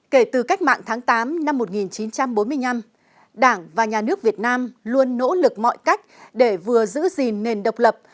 kể từ cách mạng tháng tám năm một nghìn chín trăm bốn mươi năm đảng và nhà nước việt nam luôn nỗ lực mọi cách để vừa giữ gìn nền độc lập